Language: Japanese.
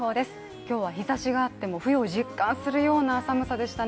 今日は日ざしがあっても冬を実感するような寒さでしたね。